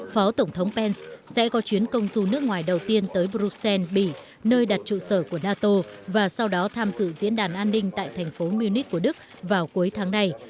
phó tổng thống pence sẽ có chuyến công du nước ngoài đầu tiên tới bruxelles bỉ nơi đặt trụ sở của nato và sau đó tham dự diễn đàn an ninh tại thành phố munich của đức vào cuối tháng này